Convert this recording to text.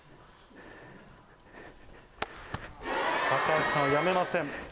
橋さんはやめません。